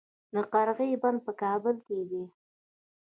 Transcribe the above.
د قرغې بند په کابل کې دی